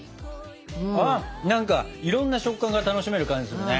何かいろんな食感が楽しめる感じするね。